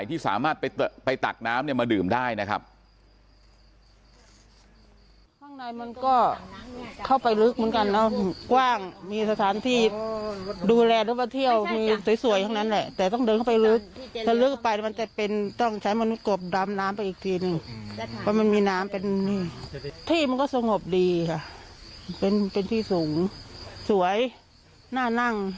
ที่มันก็สงบดีค่ะเป็นที่สูงสวยหน้านั่ง